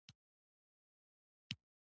ځینې ژاولې د هوا تېرېدو ستونزې پیدا کوي.